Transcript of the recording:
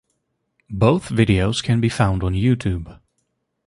Both videos can be found on YouTube.